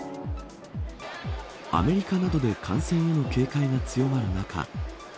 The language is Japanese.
アメリカなどで感染への警戒が強まる中２